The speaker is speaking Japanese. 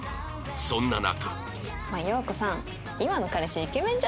そんな中